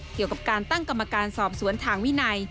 เกี่ยวกับการตั้งกรรมการสอบสวนทางวินัย